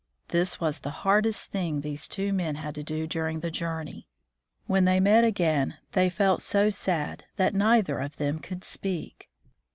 This was the hardest thing these two men had to do during the journey. When they met again, they felt so sad that neither of them could speak.